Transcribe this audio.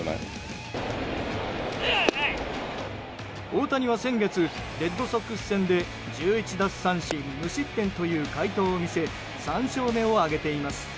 大谷は先月レッドソックス戦で１１奪三振、無失点という快投を見せ３勝目を挙げています。